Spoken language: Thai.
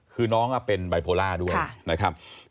คือน้องเป็นไบโพล่าด้วยนะครับ